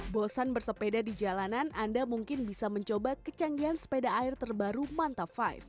bosan bersepeda di jalanan anda mungkin bisa mencoba kecanggihan sepeda air terbaru manta lima